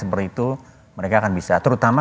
seperti itu mereka akan bisa terutama